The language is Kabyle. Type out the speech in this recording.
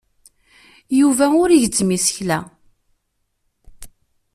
Yuba ur igezzem isekla.